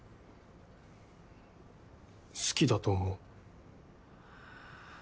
好きだと思う。